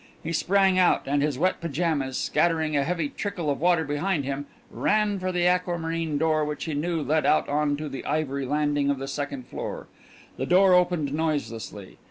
He sprang out, and, his wet pyjamas scattering a heavy trickle of water behind him, ran for the aquamarine door which he knew led out on to the ivory landing of the second floor. The door opened noiselessly.